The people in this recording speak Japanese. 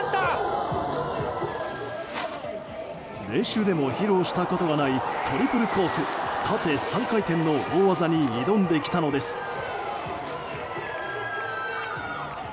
練習でも披露したことがないトリプルコーク縦３回転の大技に挑んできたのです。